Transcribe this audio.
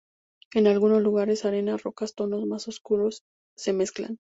En algunos lugares, arena y rocas tonos más oscuros se mezclan.